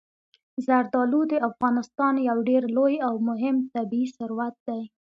زردالو د افغانستان یو ډېر لوی او مهم طبعي ثروت دی.